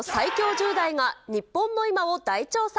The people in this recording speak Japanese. １０代が、日本の今を大調査。